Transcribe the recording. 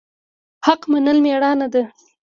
حق منل میړانه ده